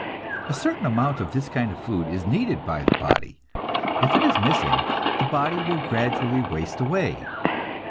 A certain amount of this kind of food is needed by the body. If it is missing, the body will gradually waste away.